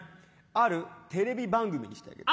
あるテレビ番組にしてあげる。